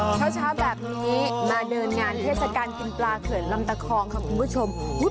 เช้าแบบนี้มาเดินงานเทศกาลกินปลาเขื่อนลำตะคองค่ะคุณผู้ชม